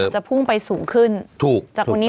จะพุ่งไปสูงขึ้น